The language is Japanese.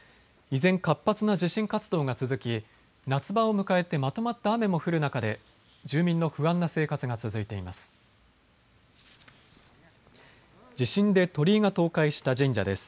依然、活発な地震活動が続き夏場を迎えてまとまった雨も降る中で住民の不安な生活が続いています。